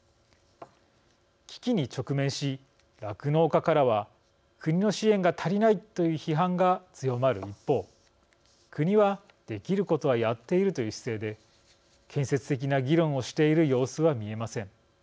危機に直面し酪農家からは国の支援が足りないという批判が強まる一方国は、できることはやっているという姿勢で建設的な議論をしている様子は見えません。